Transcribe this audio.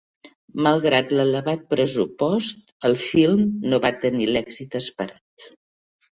Malgrat l'elevat pressupost, el film no va tenir l'èxit esperat.